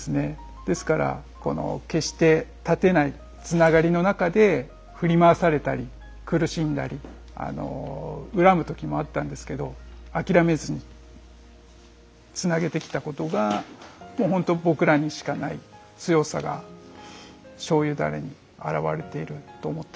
ですから決して絶てないつながりの中で振り回されたり苦しんだり恨むときもあったんですけど諦めずにつなげてきたことがほんと僕らにしかない強さが醤油ダレに表れていると思ってます